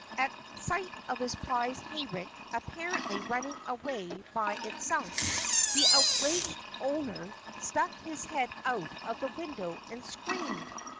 At sight of his prize hayrick apparently running away by itself, the outraged owner stuck his head out of the window and screamed.